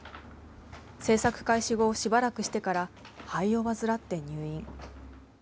制作開始後、しばらくしてから、肺を患って入院。